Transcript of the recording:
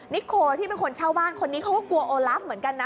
นิโคที่เป็นคนเช่าบ้านคนนี้เขาก็กลัวโอลาฟเหมือนกันนะ